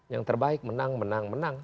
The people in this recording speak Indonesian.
yang terbaik menang menang menang menang